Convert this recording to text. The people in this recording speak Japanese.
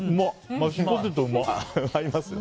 マッシュポテト、うまい。